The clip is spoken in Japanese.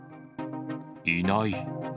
いない。